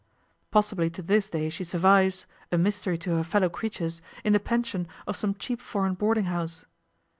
Possibly to this day she survives, a mystery to her fellow creatures, in the pension of some cheap foreign boarding house.